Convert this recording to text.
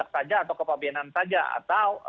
saya tidak tahu